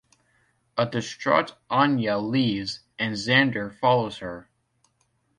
A distraught Anya leaves and Xander follows her.